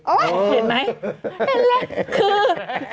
โอเคโอเคโอเค